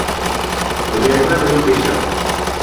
O yɛli ba di ni be shɛm.